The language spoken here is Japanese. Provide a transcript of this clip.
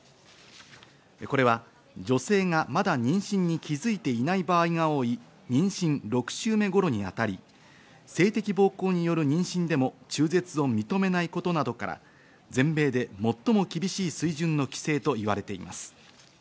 これは女性がまだ妊娠に気づいていない場合が多い妊娠６週目頃にあたり、性的暴行による妊娠でも中絶を認めないことなどから全米で最も厳しい水準の規制と言われています。